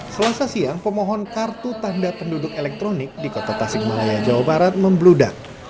selasa siang pemohon kartu tanda penduduk elektronik di kota tasik malaya jawa barat membludak